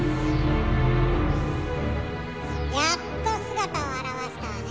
やっと姿を現したわね。